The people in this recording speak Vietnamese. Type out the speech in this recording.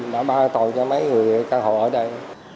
đã ba tội cho mấy người căn hộ ở đây